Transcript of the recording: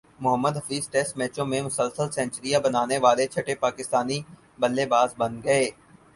Mohammad Hafeez test میچوں میں مسلسل سنچریاںبنانیوالے چھٹے پاکستانی بلے باز بن گئے